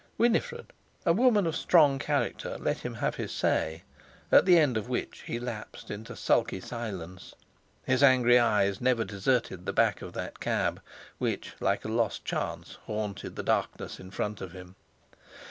Winifred, a woman of strong character, let him have his say, at the end of which he lapsed into sulky silence. His angry eyes never deserted the back of that cab, which, like a lost chance, haunted the darkness in front of him.